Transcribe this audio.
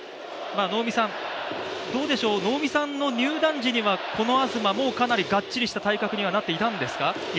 どうでしょう、能見さんの入団時にはこの東もうかなりがっちりした体格にはなっていたんですか？